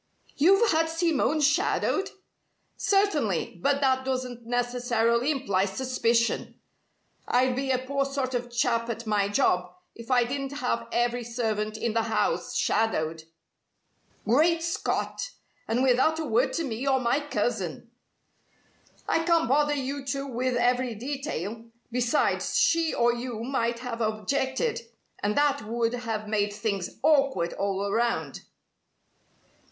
"You've had Simone shadowed?" "Certainly. But that doesn't necessarily imply suspicion. I'd be a poor sort of chap at my job if I didn't have every servant in the house shadowed." "Great Scott! And without a word to me or my cousin!" "I can't bother you two with every detail. Besides, she or you might have objected, and that would have made things awkward all around."